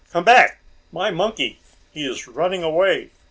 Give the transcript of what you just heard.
Come back! My monkey! He is running away!"